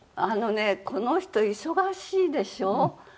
あのねこの人忙しいでしょ。